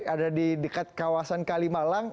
ada di dekat kawasan kalimalang